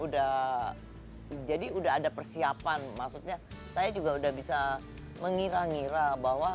udah jadi udah ada persiapan maksudnya saya juga udah bisa mengira ngira bahwa